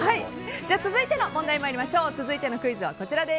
続いての問題参りましょう。